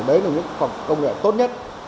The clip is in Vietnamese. đấy là những khoa học công nghệ tốt nhất